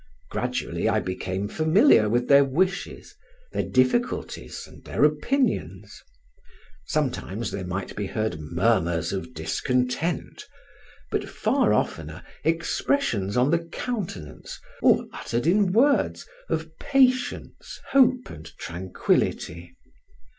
Gradually I became familiar with their wishes, their difficulties, and their opinions. Sometimes there might be heard murmurs of discontent, but far oftener expressions on the countenance, or uttered in words, of patience, hope, and tranquillity.